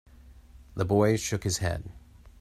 The boy shook his head.